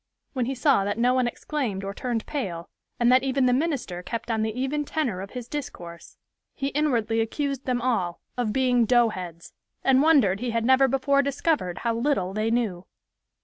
When he saw that no one exclaimed or turned pale, and that even the minister kept on the even tenor of his discourse, he inwardly accused them all of being "doughheads," and wondered he had never before discovered how little they knew.